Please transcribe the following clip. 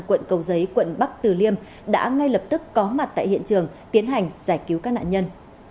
quận cầu giấy quận bắc từ liêm đã ngay lập tức có mặt tại hiện trường tiến hành giải cứu các nạn nhân